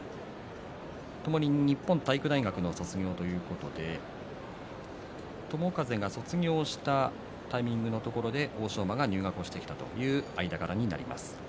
ともに日本体育大学卒業ということで友風が卒業したタイミングのところで欧勝馬が入学してきたという間柄になります。